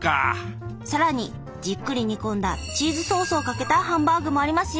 更にじっくり煮込んだチーズソースをかけたハンバーグもありますよ。